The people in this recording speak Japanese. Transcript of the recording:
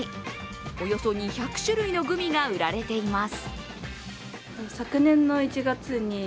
およそ２００種類のグミが売られています。